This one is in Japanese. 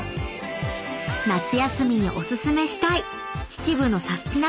［夏休みにお薦めしたい秩父のサスティな！